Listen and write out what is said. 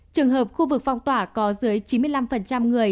trường hợp khu vực phong tỏa có dưới chín mươi năm người